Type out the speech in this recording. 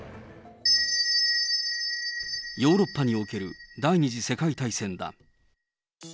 ヨーロッパにおける第２次世界大戦だ。